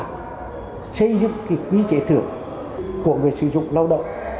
và xây dựng cái quý trệ thưởng của người sử dụng lao động